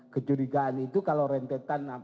kecurigaan itu kalau rentetan